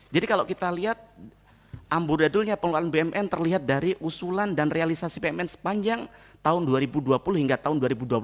jadi kalau kita lihat amburadulnya pengelolaan bnn terlihat dari usulan dan realisasi bnn sepanjang tahun dua ribu dua puluh hingga tahun dua ribu dua puluh empat